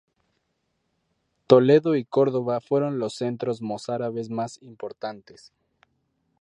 Toledo y Córdoba fueron los centros mozárabes más importantes.